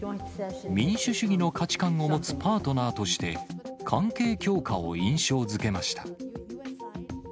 民主主義の価値観を持つパートナーとして、関係強化を印象づけました。